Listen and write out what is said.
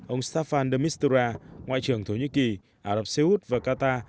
ông staffan de mistura ngoại trưởng thổ nhĩ kỳ ả rập xê út và qatar